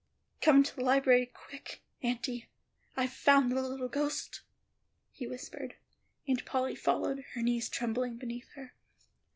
"Come into the library, quick, Auntie; I've found the little ghost," he whispered. Aunt Polly followed, her knees trembling beneath her.